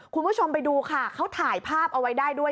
คุณผู้ชมไปดูค่ะเขาถ่ายภาพเอาไว้ได้ด้วย